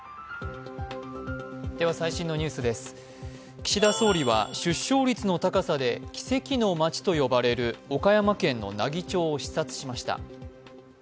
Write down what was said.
岸田総理は出生率の高さで奇跡の町と呼ばれる岡山県の奈義町を視察しました。